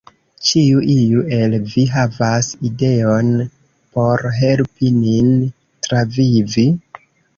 "Ĉiu iu el vi havas ideon por helpi nin travivi?"